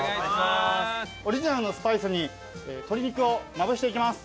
オリジナルのスパイスに鶏肉をまぶしていきます。